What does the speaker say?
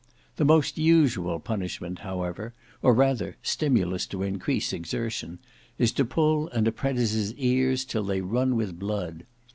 The most usual punishment however, or rather stimulus to increase exertion, is to pull an apprentice's ears till they run with blood.